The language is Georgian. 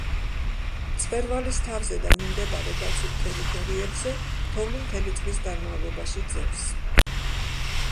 მწვერვალის თავზე და მიმდებარე დაცულ ტერიტორიებზე თოვლი მთელი წლის განმავლობაში ძევს.